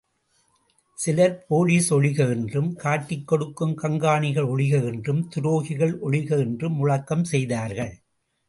சிலர் போலீஸ் ஒழிக என்றும் காட்டிக் கொடுக்கும் கங்காணிகள் ஒழிக என்றும் துரோகிகள் ஒழிக என்றும் முழக்கம் செய்தார்கள்.